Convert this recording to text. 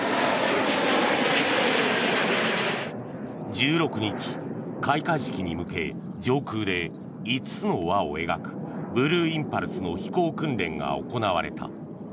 １６日、開会式に向け上空で５つの輪を描くブルーインパルスの飛行訓練が行われた。